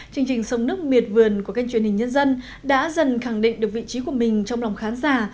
chương trình sông nước miệt vườn của kênh truyền hình nhân dân đã dần khẳng định được vị trí của mình trong lòng khán giả